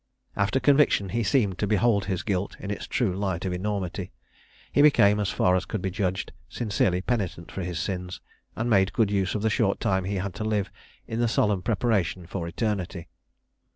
After conviction he seemed to behold his guilt in its true light of enormity. He became, as far as could be judged, sincerely penitent for his sins, and made good use of the short time he had to live in the solemn preparation for eternity.